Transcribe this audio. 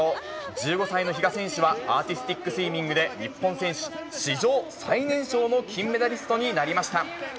１５歳の比嘉選手は、アーティスティックスイミングで日本選手史上最年少の金メダリストになりました。